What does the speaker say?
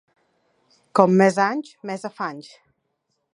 Com més anys, més afanys.